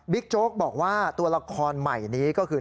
โจ๊กบอกว่าตัวละครใหม่นี้ก็คือ